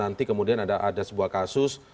nanti kemudian ada sebuah kasus